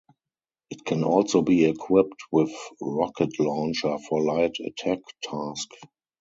It can also be equipped with rocket launcher for light attack task.